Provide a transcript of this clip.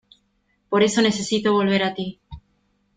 por eso necesito volver a ti